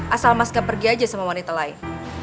asal mas gak pergi aja sama wanita lain